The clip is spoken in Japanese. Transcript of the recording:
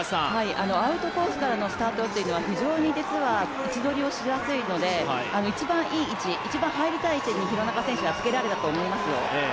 アウトコースからのスタートというのは非常に実は位置取りをしやすいので一番いい位置、一番入りたい位置に廣中選手は入れたと思いますよ。